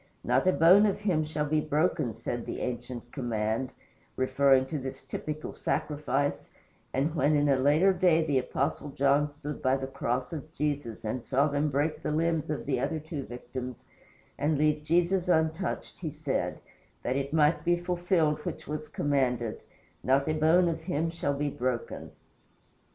"Not a bone of him shall be broken," said the ancient command, referring to this typical sacrifice; and when in a later day the Apostle John stood by the cross of Jesus and saw them break the limbs of the other two victims and leave Jesus untouched, he said, "that it might be fulfilled which was commanded, not a bone of Him shall be broken."